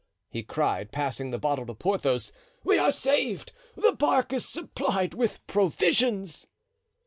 he cried, passing the bottle to Porthos, "we are saved—the bark is supplied with provisions."